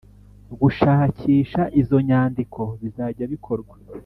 gushakisha izo nyandiko bizajya bikorwa